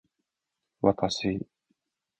私